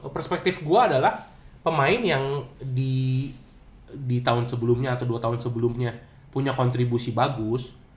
perspektif gue adalah pemain yang di tahun sebelumnya atau dua tahun sebelumnya punya kontribusi bagus